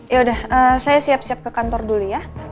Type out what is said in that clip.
yaudah saya siap siap ke kantor dulu ya